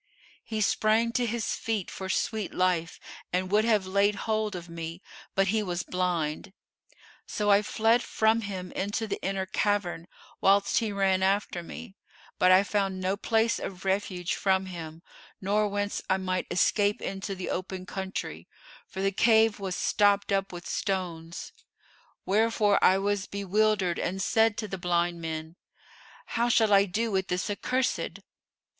He sprang to his feet for sweet life and would have laid hold of me; but he was blind. So I fled from him into the inner cavern, whilst he ran after me; but I found no place of refuge from him nor whence I might escape into the open country, for the cave was stopped up with stones; wherefore I was bewildered and said to the blind men, 'How shall I do with this accursed?